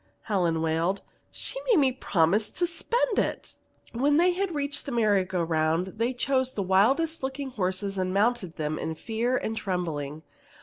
Helen wailed. "She made me promise to spend it." When they reached the merry go round, they chose the wildest looking horses and mounted them in fear and trembling.